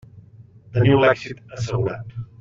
Teniu l'èxit assegurat.